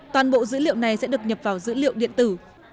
toàn bộ dữ liệu này sẽ được nhập vào dữ liệu điện tử